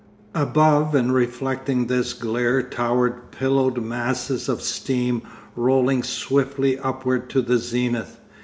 Above and reflecting this glare towered pillowed masses of steam rolling swiftly upward to the zenith.